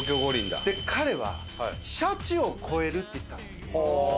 彼は「シャチを超える」って言ったの。